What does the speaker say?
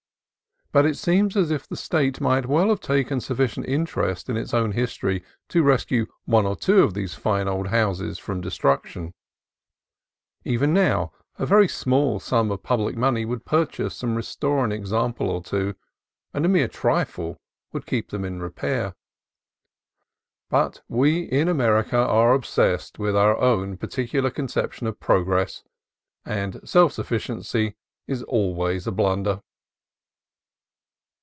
But it seems as if the State might well have taken sufficient interest in its own history to rescue one or two of these fine old houses from de struction. Even now, a very small sum of public LAS PENASQUITAS VALLEY 47 money would purchase and restore an example or two, and a mere trifle would keep them in repair. But we in America are obsessed with our particu lar conception of Progress; and self sufficiency is always a blunder.